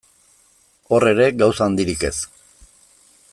Hor ere, gauza handirik ez.